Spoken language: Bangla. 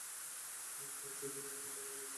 দেখ, তোর জন্য দ্বিগুণ টাকা চেয়েছি, দিচ্ছে।